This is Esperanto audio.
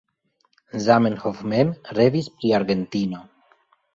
Zamenhof mem revis pri Argentino.